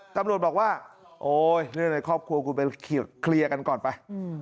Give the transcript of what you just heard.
ตำรวจบอกว่าโอ๊ยเรื่องในครอบครัวคุณไปเคลียร์กันก่อนไป